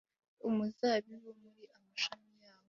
umuzabibu, muri amashami yawo